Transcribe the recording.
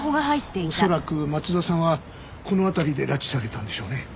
恐らく松田さんはこの辺りで拉致されたんでしょうね。